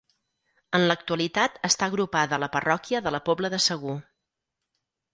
En l'actualitat està agrupada a la parròquia de la Pobla de Segur.